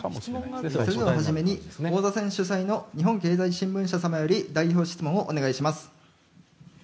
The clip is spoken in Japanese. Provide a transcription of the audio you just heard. それでは初めに王座戦主催の日本経済新聞社様より代表質問をお願いします。